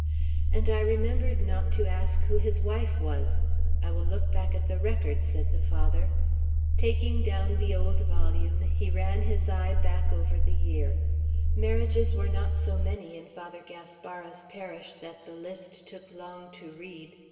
"And I remembered not to ask who his wife was. I will look back at the record," said the Father. Taking down the old volume, he ran his eye back over the year. Marriages were not so many in Father Gaspara's parish, that the list took long to read.